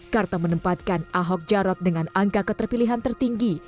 karta menempatkan ahok jarot dengan angka keterpilihan tertinggi